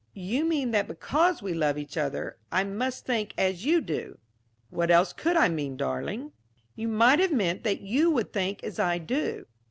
"You mean that because we love each other, I must think as you do?" "What else could I mean, darling?" "You might have meant that you would think as I do."